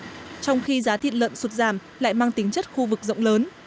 trong khi giá thịt lợn sụt giảm lại mang tính chất khu vực rộng lớn